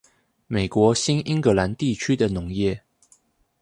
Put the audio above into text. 美國新英格蘭地區的農業